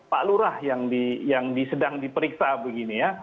pak lurah yang sedang diperiksa begini ya